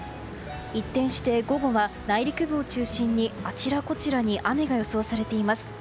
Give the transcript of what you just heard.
一転して午後は内陸部を中心にあちらこちらに雨が予想されています。